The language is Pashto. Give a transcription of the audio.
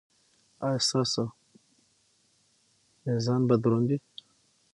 ایا ستاسو میزان به دروند وي؟